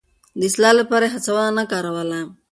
د اصلاح لپاره يې هڅونه کاروله.